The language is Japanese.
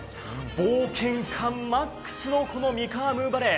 冒険感マックスのこの美川ムーバレー。